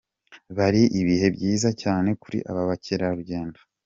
Byari ibihe byiza cyane kuri aba bakerarugendo.